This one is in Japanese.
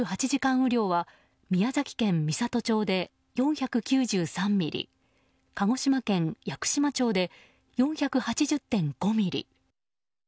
雨量は宮崎県美郷町で４９３ミリ鹿児島県屋久島町で４８０．５ミリ。